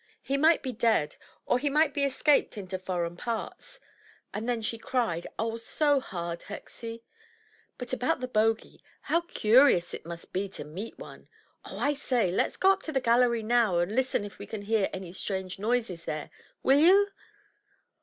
He might be dead, or he might be escaped into foreign parts — and then she cried, oh, so hard, Hexie! But, about the Bogie, how curious it must be to meet one! Oh, I say, let us go to the gallery now, and listen if we can hear any strange noises there. Will you?''